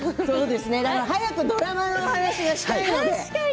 早くドラマの話がしたいです。